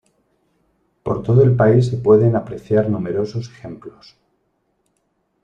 Por todo el país se pueden apreciar numerosos ejemplos.